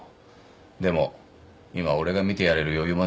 でも今俺が見てやれる余裕もないし。